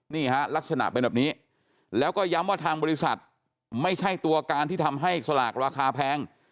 นี่ฮะลักษณะเป็นแบบนี้แล้วก็ย้ำว่าทางบริษัทไม่ใช่ตัวการที่ทำให้สลากราคาแพง